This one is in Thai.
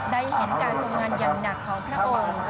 ได้เห็นการทรงงานอย่างหนักของพระองค์